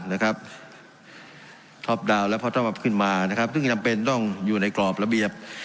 นะครับขึ้นมานะครับซึ่งจำเป็นต้องอยู่ในกรอบระเบียบ